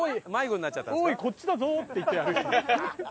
「おーいこっちだぞ」って言って歩いてた。